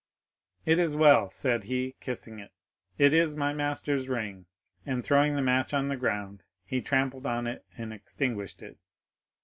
"'It is well,' said he, kissing it; 'it is my master's ring!' And throwing the match on the ground, he trampled on it and extinguished it.